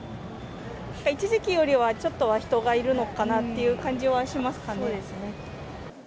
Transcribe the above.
一時期よりはちょっとは人がいるのかなという感じはしますかね。